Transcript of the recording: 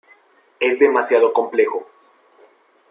Es demasiado complejo.